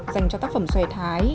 dành cho tác phẩm xòe thái